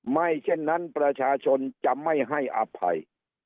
ไม่เช่นนั้นประชาชนจะไม่ให้อภัย